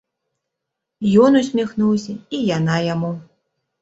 Ён усміхнуўся, і яна яму.